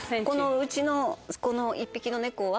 うちのこの１匹の猫は。